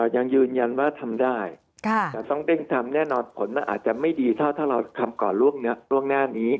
ยังยืนยันว่าทำได้แต่ต้องเร่งทำแน่นอนผลมันอาจจะไม่ดีเท่าถ้าเราทำก่อนล่วงหน้านี้